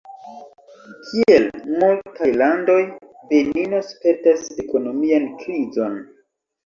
Kiel multaj landoj, Benino spertas ekonomian krizon.